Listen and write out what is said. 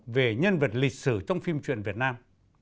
về nhân vật lịch sử trong phim truyện việt nam